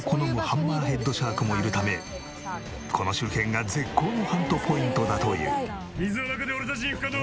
ハンマーヘッドシャークもいるためこの周辺が絶好のハントポイントだという。